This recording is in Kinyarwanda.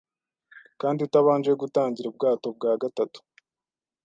kandi utabanje gutangira ubwato bwa gatatu